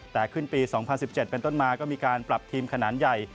แต่ขึ้นปี๒๐๑๗เป็นต้นมาก็มีการปรับทีมขนาดใหญ่